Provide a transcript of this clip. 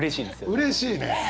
うれしいね。